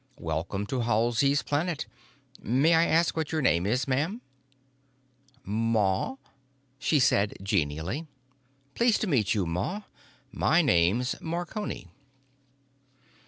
Welcome to Halsey's Planet. May I ask what your name is, ma'am?" "Ma," she said genially. "Pleased to meet you, Ma. My name's Marconi."